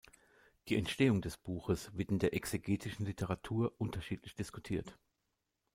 Die Entstehung des Buches wird in der exegetischen Literatur unterschiedlich diskutiert.